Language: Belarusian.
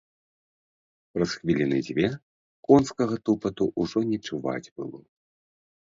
Праз хвіліны дзве конскага тупату ўжо не чуваць было.